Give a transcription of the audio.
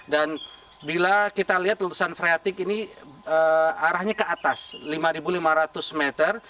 dan bila kita lihat letusan freatik ini arahnya ke atas lima lima ratus meter